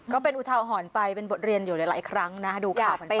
ก็เป็นอุทาหรณ์ไปเป็นบทเรียนอยู่หลายครั้งนะดูข่าวเหมือนกัน